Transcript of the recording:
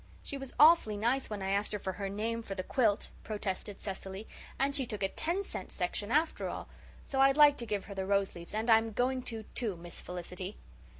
"She was awfully nice when I asked her for her name for the quilt," protested Cecily, "and she took a ten cent section after all. So I'd like to give her the rose leaves and I'm going to, too, Miss Felicity."